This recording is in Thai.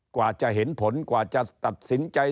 กว่าจะเห็นผลกว่าจะตัดสินใจ